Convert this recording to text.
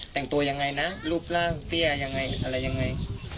แต่งตัวยังไงนะรูปร่างเตี้ยยังไงอะไรยังไง